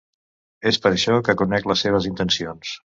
És per això que conec les seves intencions.